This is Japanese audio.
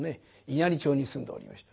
稲荷町に住んでおりました。